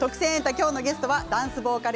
今日のゲストはダンスボーカル